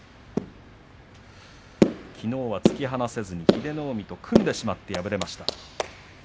きのうは突き放せずに英乃海と組んでしまって敗れました。